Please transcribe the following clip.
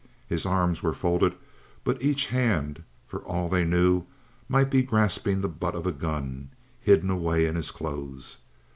His arms were folded, but each hand, for all they knew, might be grasping the butt of a gun hidden away in his clothes.